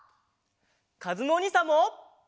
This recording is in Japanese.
かずむおにいさんも。